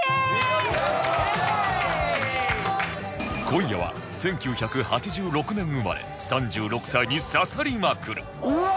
今夜は１９８６年生まれ３６歳に刺さりまくる